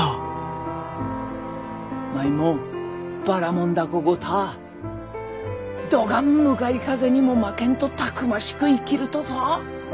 舞もばらもん凧ごたぁどがん向かい風にも負けんとたくましく生きるとぞ。